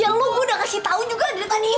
ya lo gue udah kasih tau juga dari tadi